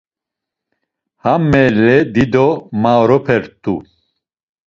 Ham meelle dido maoropert̆u.